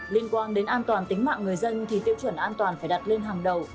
liên quan đến an toàn tính mạng người dân thì tiêu chuẩn an toàn phải đặt lên hàng đầu